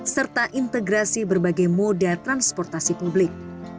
serta integrasi berbagai moda transportasi publik